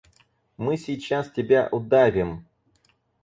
Мы сейчас тебя удавим.